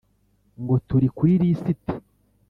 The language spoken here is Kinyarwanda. ngo turi kuri lisiti